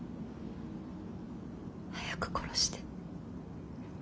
早く殺して。